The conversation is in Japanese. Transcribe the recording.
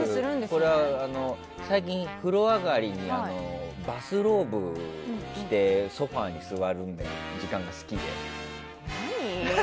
これは最近、風呂上がりにバスローブを着てソファに座る時間が好きで。